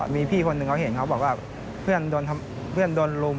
มีพี่คนหนึ่งเขาเห็นเขาบอกว่าเพื่อนโดนลุม